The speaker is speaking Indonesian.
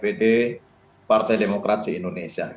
bapak dpd partai demokrasi indonesia